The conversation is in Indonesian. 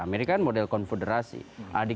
amerika kan model konfederasi